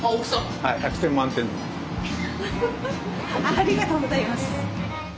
ありがとうございます。